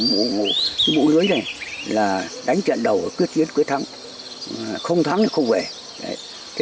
cái mũ lưới này là đánh trận đầu và quyết chiến quyết thắng không thắng thì không về thế